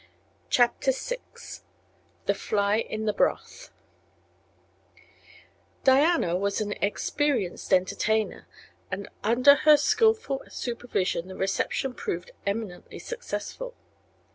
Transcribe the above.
CHAPTER VI THE FLY IN THE BROTH Diana was an experienced entertainer and under her skillful supervision the reception proved eminently successful.